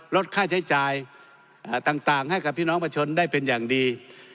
ลดค่าใช้จ่ายต่างให้กับพี่น้องประชนได้เป็นอย่างดี